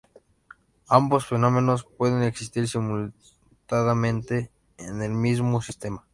Ambos fenómenos pueden existir simultáneamente en el mismo sistema.